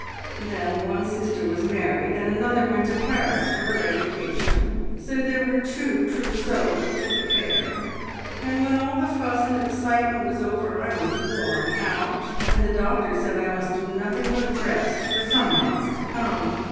Then one sister was married, and another went to Paris for her education, so there were two trousseaux to prepare, and when all the fuss and excitement was over I was worn out, and the doctor said I must do nothing but rest for some months to come.